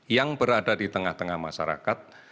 yang berada di tengah tengah masyarakat